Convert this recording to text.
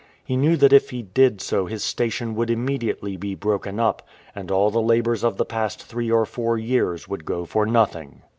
He knew that if he did so his station would immediately be broken up, and all the labours of the past three or four years would go for nothing.